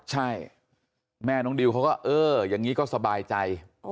ใช่แม่น้องดิวเขาก็เอออย่างนี้ก็สบายใจ